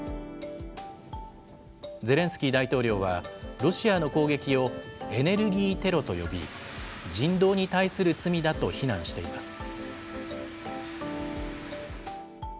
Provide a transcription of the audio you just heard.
ゼレンスキー大統領は、ロシアの攻撃をエネルギーテロと呼び、人道に対する罪だと非難しています。